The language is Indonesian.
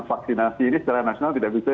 vaksinasi ini secara nasional tidak bisa